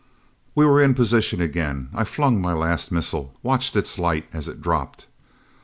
We were in position again. I flung my last missile, watched its light as it dropped.